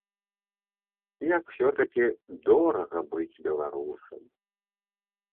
Як усё-такі дорага быць беларусам.